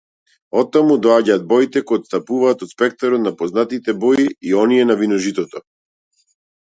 Оттаму доаѓаат боите кои отстапуваат од спектарот на познатите бои и оние на виножитото.